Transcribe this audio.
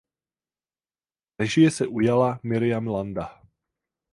Režie se ujala Mirjam Landa.